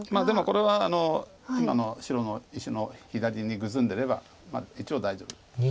でもこれは今の白の石の左にグズんでれば一応大丈夫。